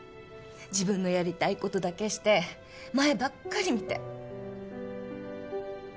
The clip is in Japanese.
自分のやりたいことだけして前ばっかり見て。